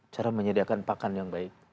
cara menyediakan pakan yang baik